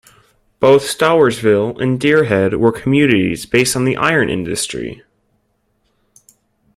Both Stowersville and Deerhead were communities based on the iron industry.